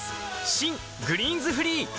新「グリーンズフリー」